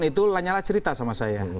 itu lanyala cerita sama saya